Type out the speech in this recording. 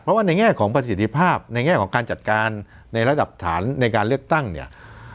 เพราะว่าในแง่ของประสิทธิภาพในแง่ของการจัดการในระดับฐานในการเลือกตั้งเนี่ย